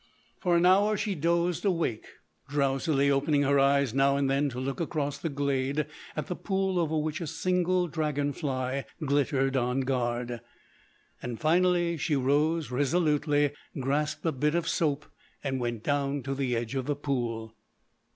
For an hour she dozed awake, drowsily opening her eyes now and then to look across the glade at the pool over which a single dragon fly glittered on guard. Finally she rose resolutely, grasped a bit of soap, and went down to the edge of the pool.